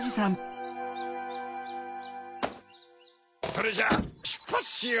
それじゃあしゅっぱつしよう。